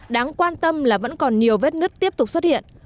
đáng quan tâm là vẫn còn nhiều vết nứt tiếp tục xuất hiện